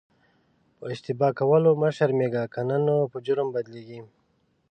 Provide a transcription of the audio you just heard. په اشتباه کولو مه شرمېږه که نه نو په جرم بدلیږي.